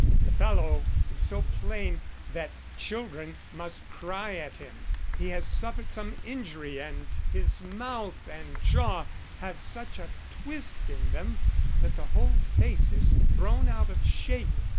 "The fellow is so plain that children must cry at him. He has suffered some injury and his mouth and jaw have such a twist in them that the whole face is thrown out of shape.